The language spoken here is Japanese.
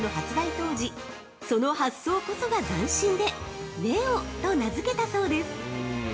当時、その発想こそが斬新で「ネオ」と名付けたそうです！